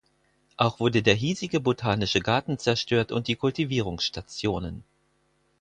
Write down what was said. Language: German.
Auch wurde der hiesige botanische Garten zerstört und die Kultivierungsstationen.